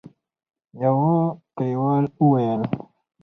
يوه کليوال وويل: